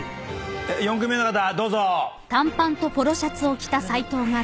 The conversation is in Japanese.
４組目の方どうぞ。